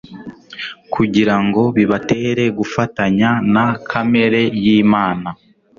kugira ngo bibatere gufatanya na kamere y'Imana